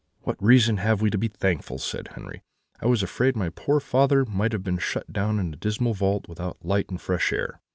"'What reason have we to be thankful!' said Henri; 'I was afraid my poor father might have been shut down in a dismal vault, without light and fresh air.